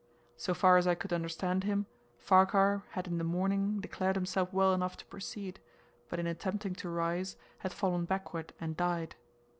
So far as I could understand him, Farquhar had in the morning declared himself well enough to proceed, but in attempting to rise, had fallen backward and died.